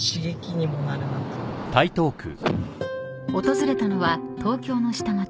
［訪れたのは東京の下町］